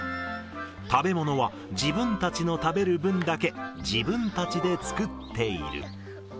食べ物は自分たちの食べる分だけ、自分たちで作っている。